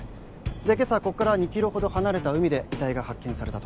で今朝こっから２キロほど離れた海で遺体が発見されたと。